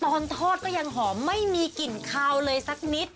ตอนทอดก็ยังหอมไม่มีกลิ่นคาวเลยสักนิด